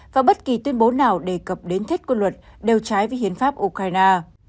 và bất kỳ tuyên bố nào đề cập đến thiết quân luật đều trái với hiến pháp ukraine